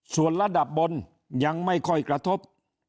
ส่วนระดับบนยังไม่ค่อยกระทบ